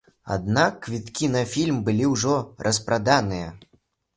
Аднак квіткі на фільм былі ўжо распраданыя.